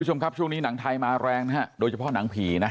คุณผู้ชมครับช่วงนี้หนังไทยมาแรงนะฮะโดยเฉพาะหนังผีนะ